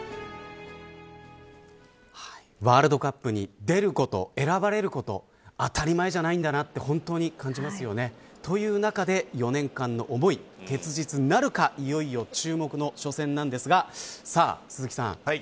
ワールドカップに出ること選ばれること当たり前じゃないんだなと本当に感じますよね、という中で４年間の思い結実なるかいよいよ注目の初戦ですが鈴木さん。